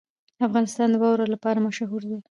افغانستان د واوره لپاره مشهور دی.